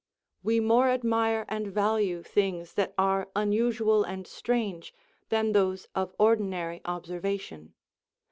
We more admire and value things that are unusual and strange than those of ordinary observation.